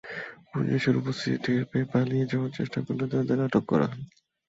পুলিশের উপস্থিতি টের পেয়ে পালিয়ে যাওয়ার চেষ্টা করলে তাঁদের আটক করা হয়।